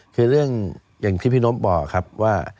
คือเรื่องอย่างที่พี่นบบอกครับว่า